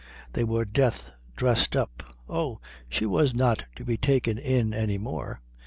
They were death dressed up. Oh, she was not to be taken in any more.